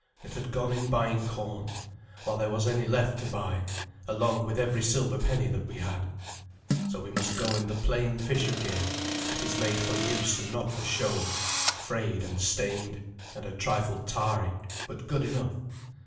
It had gone in buying corn, while there was any left to buy, along with every silver penny that we had. So we must go in the plain fisher gear, that is made for use and not for show, frayed and stained, and a trifle tarry, but good enough.